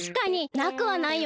なくはないよね。